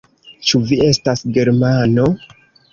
Ĉu vi estas germano?